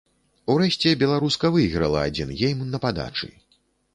Урэшце беларуска выйграла адзін гейм на падачы.